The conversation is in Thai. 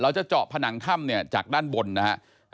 เราจะเจาะผนังถ้ำจากด้านบนนะครับ